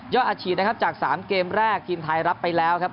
ย่อนอาชีนจาก๓เกมแรกทีมไทยรับไปแล้วครับ